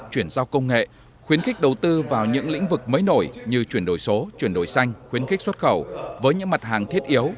chuyển giao công nghệ khuyến khích đầu tư vào những lĩnh vực mới nổi như chuyển đổi số chuyển đổi xanh khuyến khích xuất khẩu với những mặt hàng thiết yếu